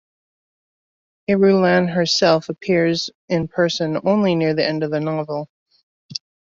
Irulan herself appears in person only near the end of the novel.